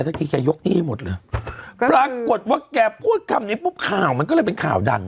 สักทีแกยกหนี้ให้หมดเลยปรากฏว่าแกพูดคำนี้ปุ๊บข่าวมันก็เลยเป็นข่าวดัง